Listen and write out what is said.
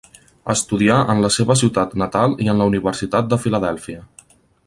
Estudià en la seva ciutat natal i en la Universitat de Filadèlfia.